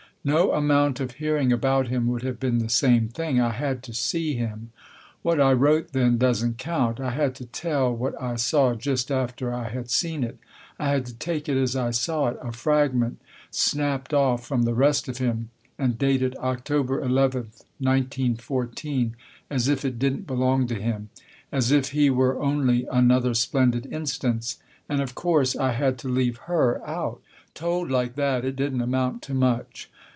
No amount of hearing about him would have been the same thing. I had to see him. What I wrote then doesn't count. I had to tell what I saw just after I had seen it. I had to take it as I saw it, a fragment snapped off from the rest of him, and dated October nth, 1914, as if it didn't belong to him ; as if he were only another splendid instance. And of course I had to leave her out. Told like that, it didn't amount to much.